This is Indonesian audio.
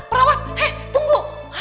perawat eh tunggu